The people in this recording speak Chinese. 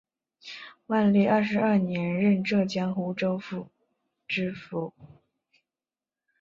万历二十二年任浙江湖州府知府。